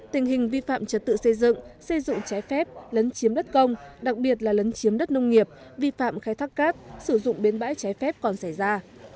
tình hình vi phạm trật tự xây dựng xây dựng trái phép lấn chiếm đất công đặc biệt là lấn chiếm đất nông nghiệp vi phạm khai thác cát sử dụng bến bãi trái phép còn xảy ra